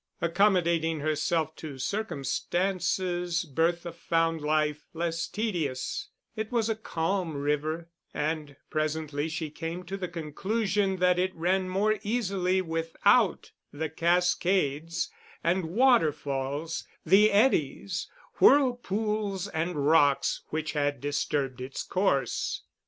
Accommodating herself to circumstances, Bertha found life less tedious; it was a calm river, and presently she came to the conclusion that it ran more easily without the cascades and waterfalls, the eddies, whirlpools and rocks, which had disturbed its course.